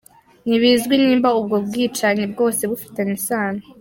Ntibizwi nimba ubwo bwicanyi bwose bufitaniye isano.